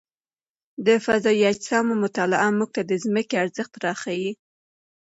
د فضايي اجسامو مطالعه موږ ته د ځمکې ارزښت راښيي.